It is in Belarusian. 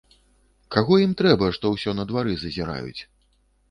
Каго ім трэба, што ўсё на двары зазіраюць?